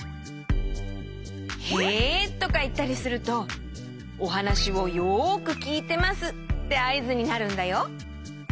「へ」とかいったりするとおはなしをよくきいてますってあいずになるんだよ。